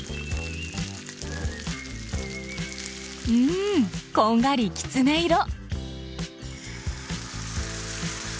んこんがりきつね色！